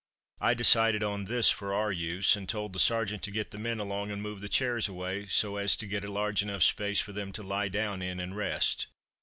I decided on this for our use, and told the sergeant to get the men along, and move the chairs away so as to get a large enough space for them to lie down in and rest.